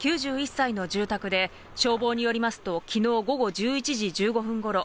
９１歳の住宅で、消防によりますと、きのう午後１１時１５分ごろ、